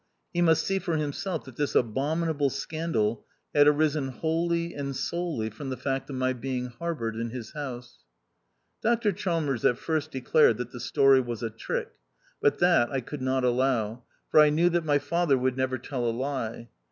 He must see for him self that this abominable scandal had arisen wholly and solely from the fact of my being harboured in his house. Dr Chalmers at first declared that the story was a trick, but that I could not allow, for I knew that my father would never tell a lie.